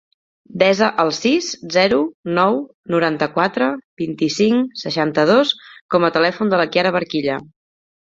Desa el sis, zero, nou, noranta-quatre, vint-i-cinc, seixanta-dos com a telèfon de la Kiara Barquilla.